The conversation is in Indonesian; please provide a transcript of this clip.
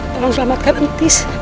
tolong selamatkan entis